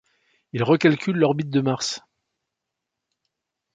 Il recalcule l'orbite de Mars.